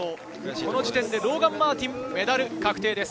この時点で、ローガン・マーティン、メダル確定です。